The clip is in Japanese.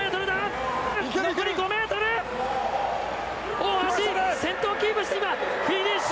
大橋、先頭をキープして今、フィニッシュ！